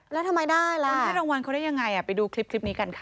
แล้วทำไมได้แล้วคุณให้รางวัลเขาได้ยังไงไปดูคลิปนี้กันค่ะ